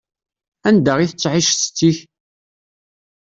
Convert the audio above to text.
Anda i tettƐic setti-k?